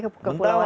ke pulau mentawai